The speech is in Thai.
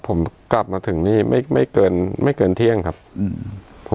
ผมกลับมาถึงนี่ไม่ไม่เกินไม่เกินเที่ยงครับอืม